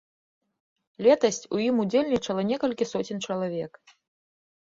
Летась у ім удзельнічала некалькі соцень чалавек.